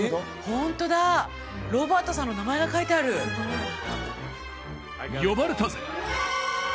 ホントだロバートさんの名前が書いてある呼ばれたぜ！